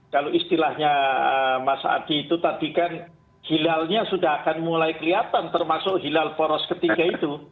kalau istilahnya mas adi itu tadi kan hilalnya sudah akan mulai kelihatan termasuk hilal poros ketiga itu